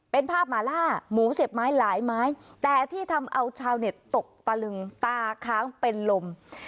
เป็นภาพหมาล่าหมูเสียบไม้หลายไม้แต่ที่ทำเอาชาวเน็ตตกตะลึงตาค้างเป็นลม